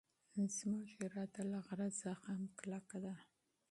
زموږ اراده له غره څخه هم کلکه ده.